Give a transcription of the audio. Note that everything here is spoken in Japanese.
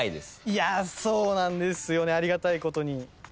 いやそうなんですよねありがたいことに。